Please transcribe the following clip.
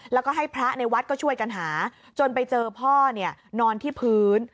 แล้วก็ให้พระในวัดก็ช่วยกันหาจนไปเจอพ่อเนี่ยนอนที่พื้น